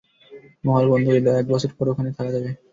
মহল বন্ধ করে দাও, এক বছর পর, ওখানে থাকা যাবে।